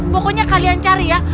pokoknya kalian cari ya